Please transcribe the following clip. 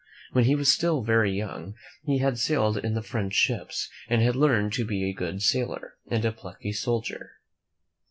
When he was still very young, he had sailed in the French ships and had learned to be' a good sailor and a plucky soldier.